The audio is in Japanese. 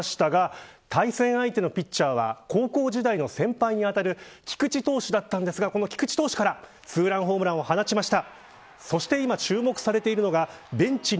今日も３番指名打者で出場しましたが対戦相手のピッチャーは高校時代の先輩に当たる菊池投手だったんですがこの菊池投手からツーランホームランを放ちました。